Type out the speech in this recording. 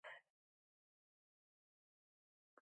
موږ کولای شو دا موضوع لا روښانه کړو.